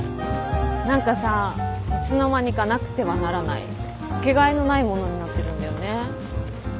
何かさいつの間にかなくてはならないかけがえのないものになってるんだよね。